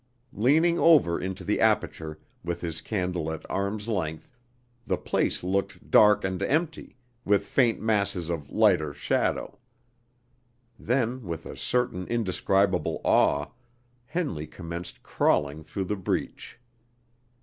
Leaning over into the aperture, with his candle at arm's length, the place looked dark and empty, with faint masses of lighter shadow. Then, with a certain indescribable awe, Henley commenced crawling through the breach.